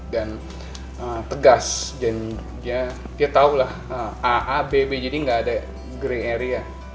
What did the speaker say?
dan tegas dan dia tau lah a a b b jadi gak ada grey area